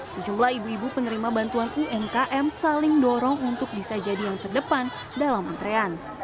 sejumlah ibu ibu penerima bantuan umkm saling dorong untuk bisa jadi yang terdepan dalam antrean